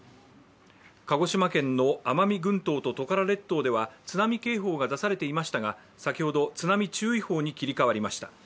鹿児島県の奄美群島とトカラ列島では津波警報が出されていましたが先ほど津波注意報に切り替わりました。